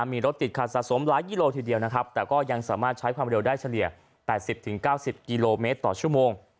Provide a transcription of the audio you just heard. มีรถติดขัดสะสมหลายกิโลทีเดียวนะครับแต่ก็ยังสามารถใช้ความเร็วได้เฉลี่ย๘๐๙๐กิโลเมตรต่อชั่วโมง